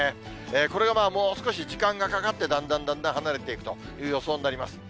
これがもう少し時間がかかって、だんだんだんだん離れていくという予想になります。